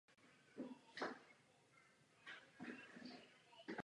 Správním městem okresu je Kingston.